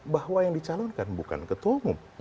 bahwa yang dicalonkan bukan ketua umum